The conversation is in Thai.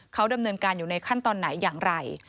เขาดำเนินการอยู่ในขั้นตอนไหนอย่างไร